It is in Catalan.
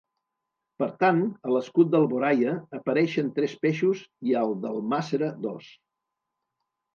Per tant, a l'escut d'Alboraia apareixen tres peixos i al d'Almàssera, dos.